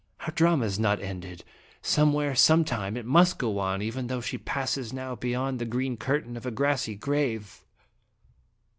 " Our drama is not ended. Some where, some time, it must go on, even though she passes now behind the green curtain of a grassy grave